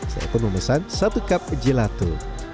saya pun memesan satu cup gelato